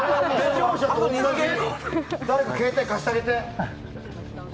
誰か携帯貸してあげて。